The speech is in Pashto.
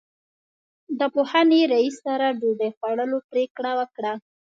د پوهنې رئیس سره ډوډۍ خوړلو پرېکړه وکړه.